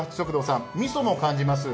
みそも感じます。